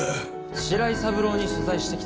白井三郎に取材してきて。